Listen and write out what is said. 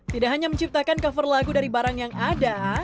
tidak hanya menciptakan cover lagu dari barang yang ada